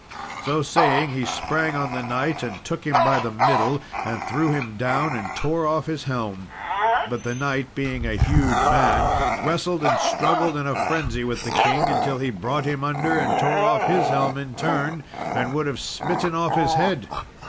So saying, he sprang on the knight, and took him by the middle and threw him down, and tore off his helm. But the knight, being a huge man, wrestled and struggled in a frenzy with the king until he brought him under, and tore off his helm in turn, and would have smitten off his head.